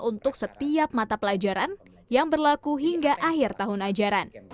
untuk setiap mata pelajaran yang berlaku hingga akhir tahun ajaran